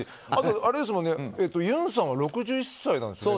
あとユンさんは６１歳なんですよね。